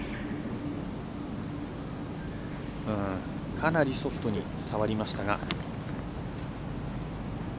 かなりソフトに触りましたが。